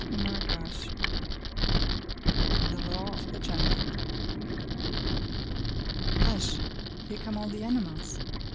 CHAPTER II The Law of the Jungle Hush! Here come all the animals!